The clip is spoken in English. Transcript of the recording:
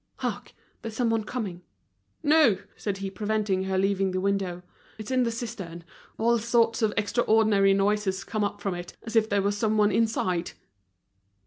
"Hark, there's someone coming." "No," said he, preventing her leaving the window, "it's in the cistern: all sorts of extraordinary noises come up from it, as if there were someone inside."